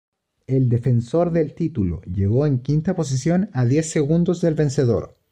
El defensor del título llegó en quinta posición, a diez segundos del vencedor.